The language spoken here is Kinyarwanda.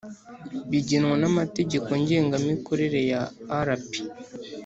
bigenwa n amategeko ngengamikorere ya rp